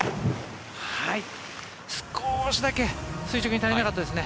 少しだけ垂直に足りなかったですね。